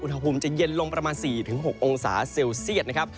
อุณหภูมิจะเย็นลงประมาณ๔๖องศาเซลเซียตนะครับ